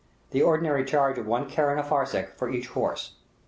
The ordinary charge is one keran a farsakh for each horse.